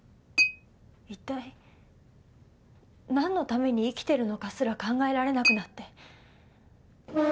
一体なんのために生きてるのかすら考えられなくなって。